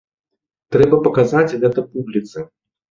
Трэба паказаць гэта публіцы!